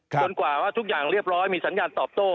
กว่าว่าทุกอย่างเรียบร้อยมีสัญญาณตอบโต้